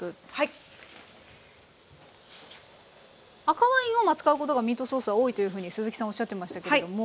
赤ワインを使うことがミートソースは多いというふうに鈴木さんおっしゃってましたけれども。